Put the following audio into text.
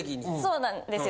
そうなんですよ